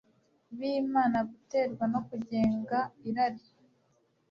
bImana Guterwa no Kugenga Irari